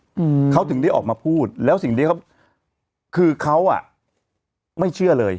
อืมเขาถึงได้ออกมาพูดแล้วสิ่งที่เขาคือเขาอ่ะไม่เชื่อเลย